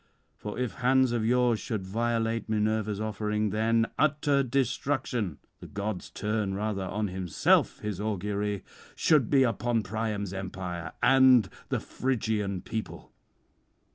For if hand of yours should violate Minerva's offering, then utter destruction (the gods turn rather on himself his augury!) should be upon Priam's empire and [192 226]the Phrygian people.